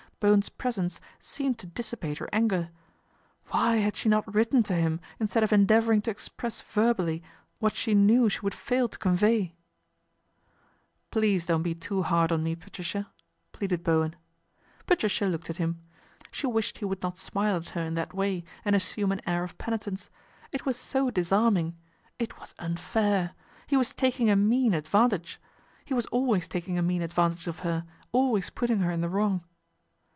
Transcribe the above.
Bowen's presence seemed to dissipate her anger. Why had she not written io him instead of endeavouring to ex press verbally what she knew she would fail to convey ? LORD PETER PROMISES A SOLUTION 101 " Please don't be too hard on me, Patricia," pleaded Bowen. Patricia looked at him. She wished he would not smile at her in that way and assume an air of penitence. It was so disarming. It was unfair. He was taking a mean advantage. He was always taking a mean advantage of her, always putting her in the wrong.